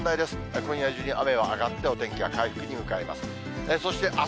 今夜中に雨は上がって、お天気は回復に向かいます。